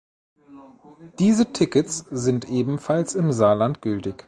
Diese Tickets sind ebenfalls im Saarland gültig.